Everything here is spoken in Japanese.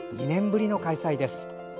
２年ぶりの開催です。